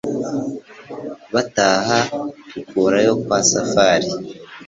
Bataha Tukura yo kwa Safari